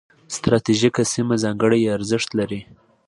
ستراتیژیکه سیمه ځانګړي ارزښت لري.